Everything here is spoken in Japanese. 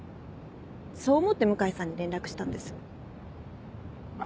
そう思って向井さんに連絡したんです。